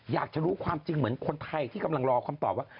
อยากจะรู้ความจริงเหมือนคนไทยที่กำลังรอคำตอบว่า